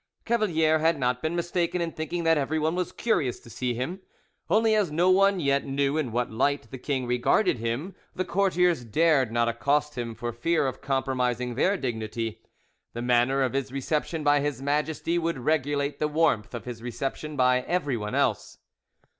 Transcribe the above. Cavalier had not been mistaken in thinking that everyone was curious to see him, only as no one yet knew in what light the king regarded him, the courtiers dared not accost him for fear of compromising their dignity; the manner of his reception by His Majesty would regulate the warmth of his reception by everyone else.